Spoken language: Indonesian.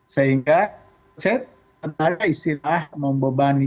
sehingga saya menarik istilah membebani